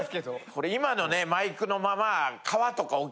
これ今のねマイクのまま。